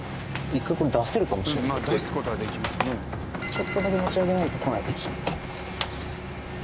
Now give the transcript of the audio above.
ちょっとだけ持ち上げないと来ないかもしれない。